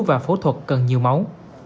và phẫu thuật cần nhiều máu